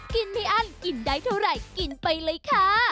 กินไม่อั้นกินได้เท่าไหร่กินไปเลยค่ะ